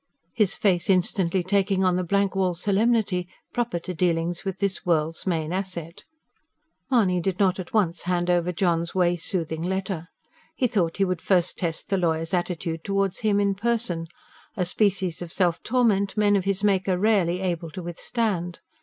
his face instantly taking on the blank wall solemnity proper to dealings with this world's main asset. Mahony did not at once hand over John's way soothing letter. He thought he would first test the lawyer's attitude towards him in person a species of self torment men of his make are rarely able to withstand.